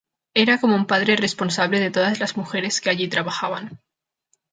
Era como un padre responsable de todas las mujeres que allí trabajaban.